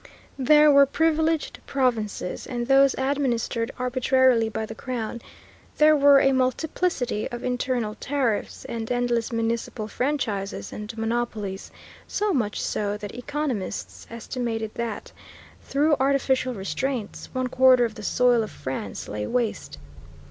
There were privileged provinces and those administered arbitrarily by the Crown, there were a multiplicity of internal tariffs, and endless municipal franchises and monopolies, so much so that economists estimated that, through artificial restraints, one quarter of the soil of France lay waste.